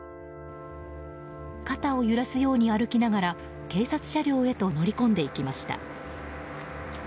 肩を揺らすように歩きながら警察車両へと乗り込んでいきました。